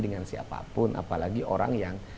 dengan siapapun apalagi orang yang